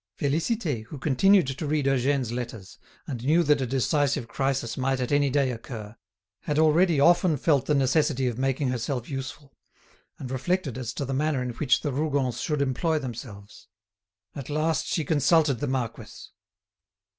Félicité, who continued to read Eugène's letters, and knew that a decisive crisis might any day occur, had already often felt the necessity of making herself useful, and reflected as to the manner in which the Rougons should employ themselves. At last she consulted the marquis.